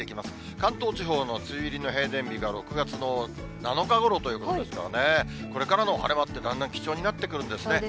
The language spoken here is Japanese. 関東地方の梅雨入りの平年日が６月の７日ごろということですからね、これからの晴れ間ってだんだん貴重になってくるんですね。